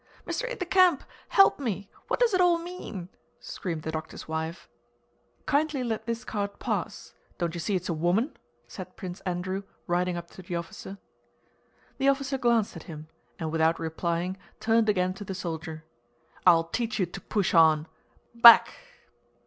"Mr. Aide de camp! Help me!... What does it all mean?" screamed the doctor's wife. "Kindly let this cart pass. Don't you see it's a woman?" said Prince Andrew riding up to the officer. The officer glanced at him, and without replying turned again to the soldier. "I'll teach you to push on!... Back!"